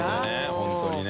本当にね。